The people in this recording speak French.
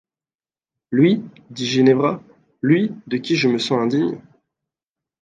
Lui, dit Ginevra, lui de qui je me sens indigne.